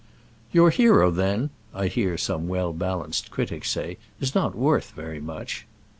"Your hero, then," I hear some well balanced critic say, "is not worth very much."